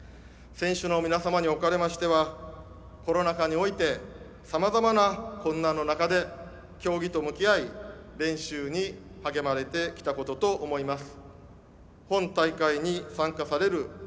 選手の皆様におかれましてはコロナ禍において様々な困難の中で競技と向き合い練習に励まれてきたことと思います。